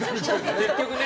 結局ね。